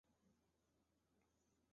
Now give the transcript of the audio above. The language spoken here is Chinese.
每个随机变量被其方差的倒数加权。